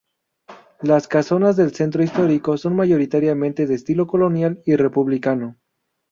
Las casonas del centro histórico son mayoritariamente de estilo colonial y republicano.